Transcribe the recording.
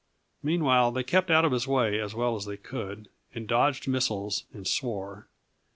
Meanwhile they kept out of his way as well as they could, and dodged missiles and swore.